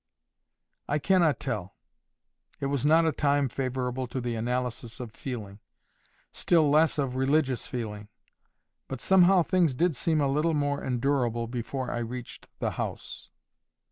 I cannot tell. It was not a time favourable to the analysis of feeling—still less of religious feeling. But somehow things did seem a little more endurable before I reached the house.